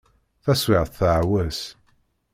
Taswiεt teεweṣ.